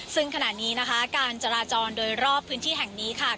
ซึ่งขณะนี้นะคะการจราจรโดยรอบพื้นที่แห่งนี้ค่ะ